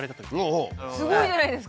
すごいじゃないですか！